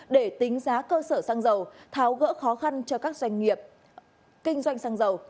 để tính giá cơ sở xăng dầu tháo gỡ khó khăn cho các doanh nghiệp kinh doanh xăng dầu